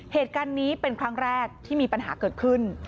เหตุการณ์นี้เป็นครั้งแรกที่มีปัญหาเกิดขึ้น